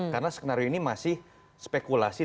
karena skenario ini masih spekulasi